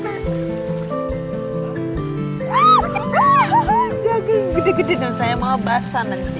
aduh gede gede dong saya mau basah nanti